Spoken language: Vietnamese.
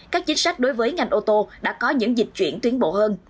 các chính sách đối với ngành ô tô đã có những dịch chuyển tuyến bộ hơn